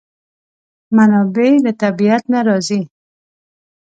منابع له طبیعت نه راځي.